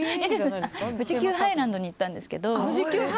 富士急ハイランドに行ったんですけど。